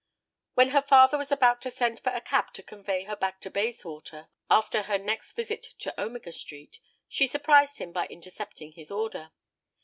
When her father was about to send for a cab to convey her back to Bayswater, after her next visit to Omega Street, she surprised him by intercepting his order.